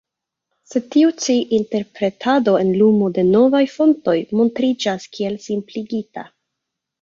Sed tiu ĉi interpretado en lumo de novaj fontoj montriĝas kiel simpligita.